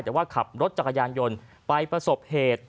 แต่ว่าขับรถจักรยานยนต์ไปประสบเหตุ